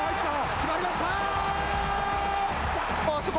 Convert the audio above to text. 決まりました。